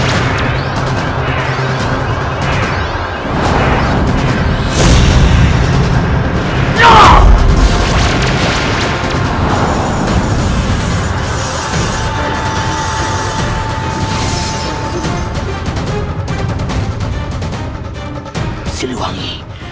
aku tidak peduli